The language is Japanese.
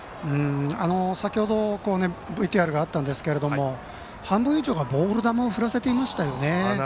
先ほど、ＶＴＲがあったんですが半分以上がボール球を振らせていましたよね。